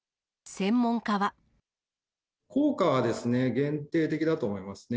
効果は限定的だと思いますね。